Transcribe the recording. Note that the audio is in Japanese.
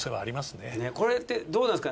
ねぇこれってどうなんですか？